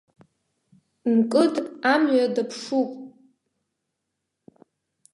Мкыд амҩа даԥшуп.